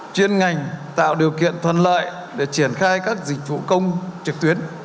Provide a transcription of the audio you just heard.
chuyên ngành tạo điều kiện thuận lợi để triển khai các dịch vụ công trực tuyến